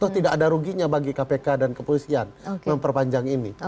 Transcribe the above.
tidak ada ruginya bagi kpk dan kepolisian memperpanjang ini